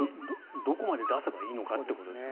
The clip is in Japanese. どこまで出せばいいのかということですよね。